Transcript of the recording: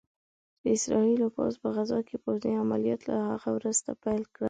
د اسرائيلو پوځ په غزه کې پوځي عمليات له هغه وروسته پيل کړل